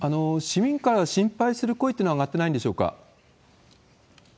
市民から心配する声っていうのは上がってないんでしょうか？